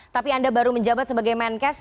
tapi anda baru menjabat sebagai menkes